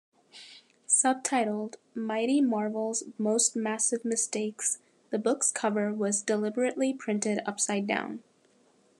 Subtitled "Mighty Marvel's Most Massive Mistakes", the book's cover was deliberately printed upside-down.